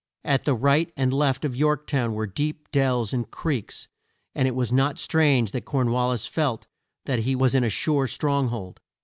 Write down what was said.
At the right and left of York town were deep dells and creeks, and it was not strange that Corn wal lis felt that he was in a sure strong hold.